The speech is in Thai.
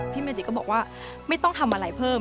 เมจิก็บอกว่าไม่ต้องทำอะไรเพิ่ม